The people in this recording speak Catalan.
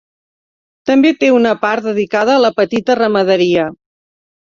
També té una part dedicada a la petita ramaderia.